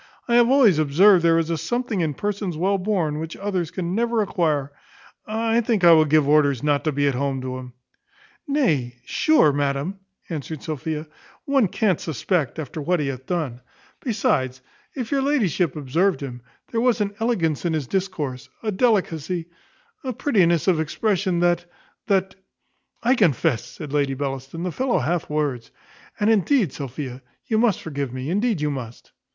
I have always observed there is a something in persons well born, which others can never acquire. I think I will give orders not to be at home to him." "Nay, sure, madam," answered Sophia, "one can't suspect after what he hath done; besides, if your ladyship observed him, there was an elegance in his discourse, a delicacy, a prettiness of expression that, that " "I confess," said Lady Bellaston, "the fellow hath words And indeed, Sophia, you must forgive me, indeed you must."